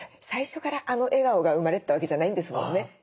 最初からあの笑顔が生まれてたわけじゃないんですもんね。